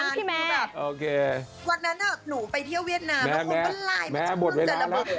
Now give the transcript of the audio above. แต่พี่แม้สูงหนูไปเที่ยวเวียดน้ำแล้วคนกันไลก์